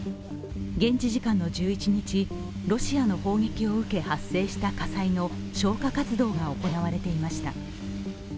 現地時間の１１日、ロシアの砲撃を受け発生した火災の消火活動が行われていました。